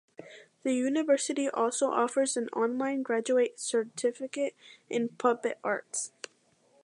The university also offers an online graduate certificate in puppet arts.